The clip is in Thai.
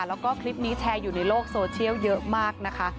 แล้วก็คลิปนี้แชร์อยู่ในโลกโซเชียลเยอะมากนะคะ